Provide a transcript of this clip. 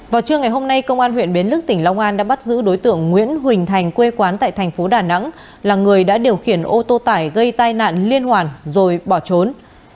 vào trưa ngày hôm nay công an huyện biến lức tỉnh long an đã bắt giữ đối tượng nguyễn huỳnh thành quê quán tại thành phố đà nẵng là người đã điều khiển ô tô tải gây tai nạn liên hoàn rồi bỏ trốn